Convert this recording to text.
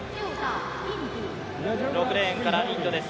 ６レーンからインドです。